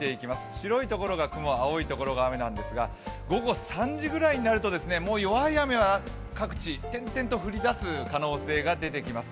白いところが雲、青いところが雨なんですが、午後３時ぐらいになるともう弱い雨が各地、点々と降りだす可能性が出てきます。